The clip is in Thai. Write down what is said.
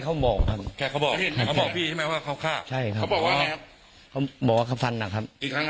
เขาบอกว่าเขาฟันน่ะครับ